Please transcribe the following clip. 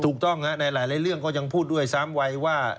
ถูกต้องในหลายเรื่องก็ยังพูดด้วยซ้ำไว้ว่า